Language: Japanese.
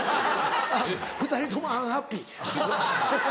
２人ともアンハッピー。